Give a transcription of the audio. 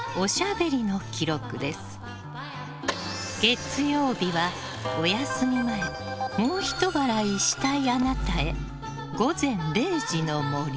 月曜日は、お休み前もうひと笑いしたいあなたへ。